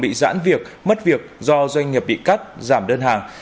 bị giãn việc mất việc do doanh nghiệp bị cắt giảm đơn hàng